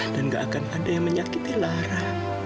dan gak akan ada yang menyakiti lara